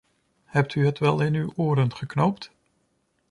Hebt u het wel in uw oren geknoopt?